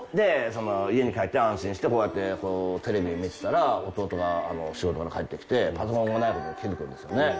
家に帰って安心してこうやってテレビ見てたら弟が仕事から帰ってきてパソコンがない事に気付くんですよね。